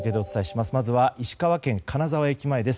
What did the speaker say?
まずは石川県金沢駅前です。